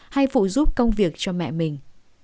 hay phụ giúp công việc cho mẹ mình